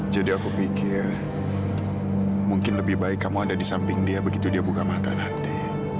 jadi aku pikir mungkin lebih baik kamu ada di samping dia begitu dia buka mata nanti